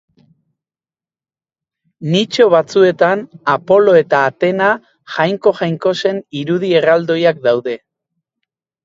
Nitxo batzuetan Apolo eta Atena jainko-jainkosen irudi erraldoiak daude.